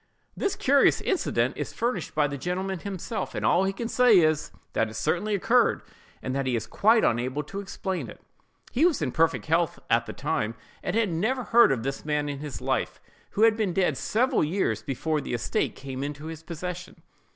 This curious incident is furnished by the gentleman himself and all he can say is, that it certainly occurred, and that he is quite unable to explain it. He was in perfect health at the time, and had never heard of this man in his life, who had been dead several years before the estate came into his possession.